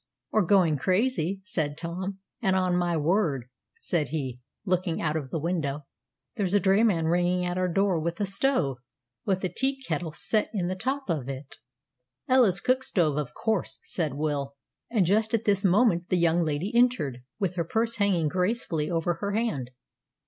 "Or going crazy!" said Tom; "and on my word," said he, looking out of the window, "there's a drayman ringing at our door, with a stove, with a teakettle set in the top of it!" "Ella's cook stove, of course," said Will; and just at this moment the young lady entered, with her purse hanging gracefully over her hand.